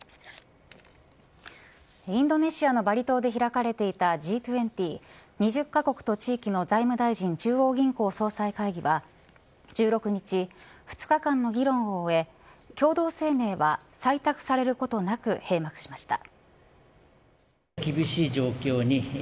インドネシアのバリ島で開かれていたＧ２０２０カ国と地域の財務大臣・中央銀行総裁会議は１６日、２日間の議論を終え共同声明は採択されることなく閉幕しました。